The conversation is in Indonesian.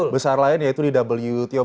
besar lain yaitu di wwto